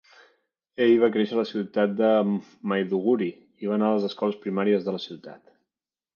Ell va créixer a la ciutat de Maiduguri i va anar a les escoles primàries de la ciutat.